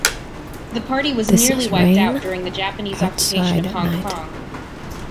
The party was nearly wiped out during the Japanese occupation of Hong Kong.